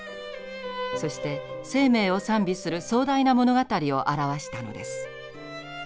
そして生命を賛美する壮大な物語を著したのです。